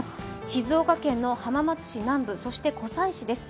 静岡県の浜松市南部、そして湖西市です。